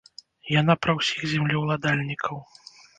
Яна пра ўсіх землеўладальнікаў.